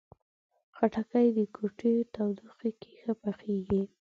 خټکی د کوټې تودوخې کې ښه پخیږي.